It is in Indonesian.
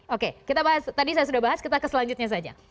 oke tadi saya sudah bahas kita ke selanjutnya saja